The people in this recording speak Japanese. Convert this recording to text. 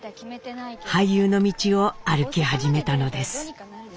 俳優の道を歩き始めたのです。